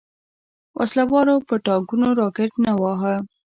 وسله والو پر ټانګونو راکټ نه وواهه.